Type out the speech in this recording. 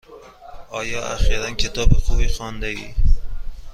آیا اخیرا کتاب خوبی خوانده ای؟